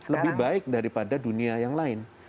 lebih baik daripada dunia yang lain